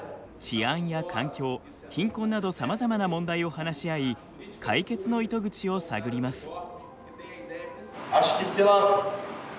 治安や環境貧困などさまざまな問題を話し合い解決の糸口を探ります。